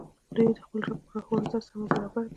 دوى د خپل رب په لارښووني سم او برابر دي